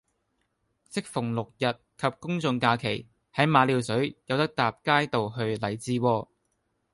適逢六、日及公眾假期，喺馬料水有得搭街渡去荔枝窩